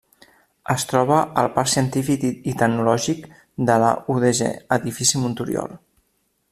Es troba al Parc Científic i Tecnològic de la UdG, Edifici Monturiol.